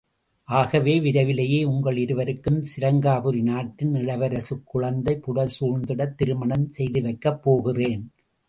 – ஆகவே, விரைவிலேயே உங்கள் இருவருக்கும் சிருங்காரபுரி நாட்டின் இளவரசுக் குழந்தை புடை சூழ்ந்திடத் திருமணம் செய்துவைக்கப் போகிறேன்!...